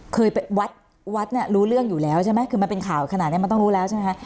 เคยไปวัดวัดเนี่ยรู้เรื่องอยู่แล้วใช่ไหมคือมันเป็นข่าวขนาดนี้มันต้องรู้แล้วใช่ไหมคะ